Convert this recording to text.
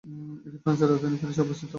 এটি ফ্রান্সের রাজধানী প্যারিসে অবস্থিত।